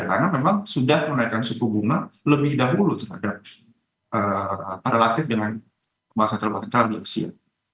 karena memang sudah menaikkan suku bunga lebih dahulu terhadap relatif dengan kemasan celupatan calon di asia